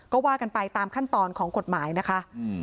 ก็ว่ากันไปตามขั้นตอนของกฎหมายนะคะ